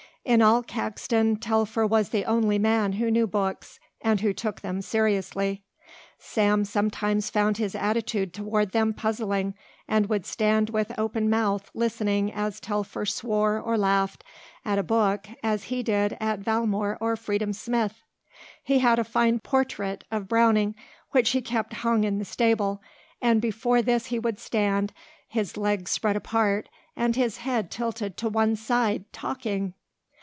In all Caxton Telfer was the only man who knew books and who took them seriously. Sam sometimes found his attitude toward them puzzling and would stand with open mouth listening as Telfer swore or laughed at a book as he did at Valmore or Freedom Smith. He had a fine portrait of Browning which he kept hung in the stable and before this he would stand, his legs spread apart, and his head tilted to one side, talking.